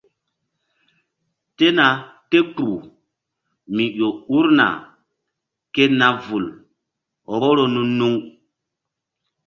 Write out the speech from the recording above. Tena te kpuh mi ƴo urna ke na vul vboro nu-nuŋ.